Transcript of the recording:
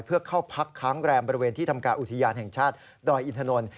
เพื่อเข้าพักค้างแรมบริเวณที่ทำการอุทยานแห่งชาติดอยอินทนนท์